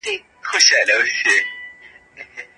مور د ماشوم د لوبو ځای ټاکي.